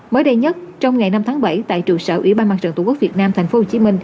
mới đây nhất trong ngày năm tháng bảy tại trụ sở ủy ban mặt trận tổ quốc việt nam tp hcm